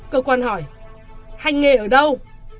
cơ quan công an hỏi hành nghề ở đâu